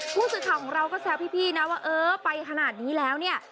ผู้สื่อข่าวของเราก็แซวพี่นะว่าเออไปขนาดนี้แล้วเนี่ย